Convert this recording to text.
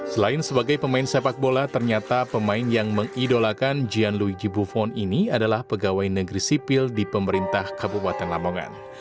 selain sebagai pemain sepak bola ternyata pemain yang mengidolakan jian luiji buffon ini adalah pegawai negeri sipil di pemerintah kabupaten lamongan